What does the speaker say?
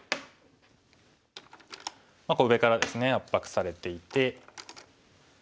こう上からですね圧迫されていて。